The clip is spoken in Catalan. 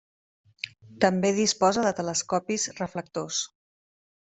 També disposa de telescopis reflectors.